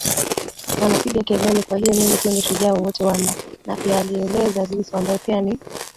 wanapiga kelele Kwahiyo mimi sioni ushujaa wowote wa Napealieleza Lissu ambaye pia ni